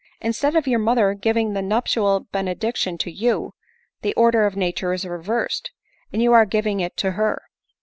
Instead of your mo ther giving the nuptial benediction to you, the order of nature is reversed, and you are giving it to her.